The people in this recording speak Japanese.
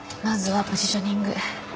まずはポジショニング。